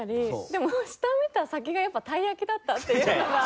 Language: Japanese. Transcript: でも下見た先がやっぱ鯛焼きだったっていうのが。